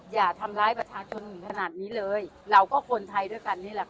อย่าทำร้ายประชาชนถึงขนาดนี้เลยเราก็คนไทยด้วยกันนี่แหละค่ะ